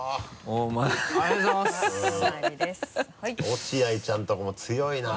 落合ちゃんとこも強いな。